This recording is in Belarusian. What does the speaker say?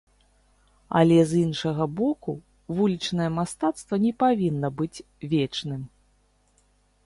Але з іншага боку, вулічнае мастацтва не павінна быць вечным.